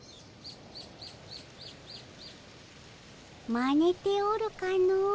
まねておるかの。